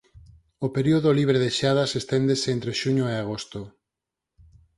O período libre de xeadas esténdese entre xuño e agosto.